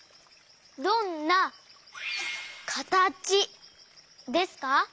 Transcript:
どんなかたちですか？